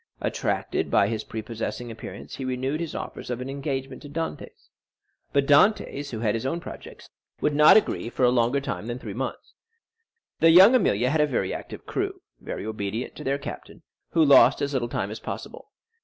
Attracted by his prepossessing appearance, he renewed his offers of an engagement to Dantès; but Dantès, who had his own projects, would not agree for a longer time than three months. La Jeune Amélie had a very active crew, very obedient to their captain, who lost as little time as possible.